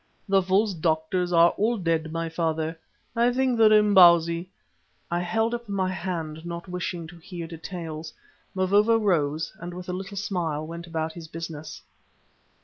The false doctors are all dead, my father, and I think that Imbozwi " I held up my hand, not wishing to hear details. Mavovo rose, and with a little smile, went about his business.